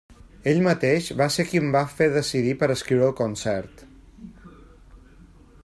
Ell mateix va ser qui em va fer decidir per escriure el concert.